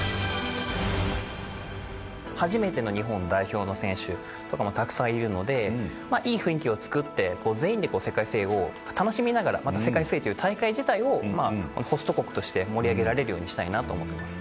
初めての日本代表の選手とかもたくさんいるのでいい雰囲気を作って全員でこう世界水泳を楽しみながらまた世界水泳という大会自体をホスト国として盛り上げられるようにしたいなと思ってます。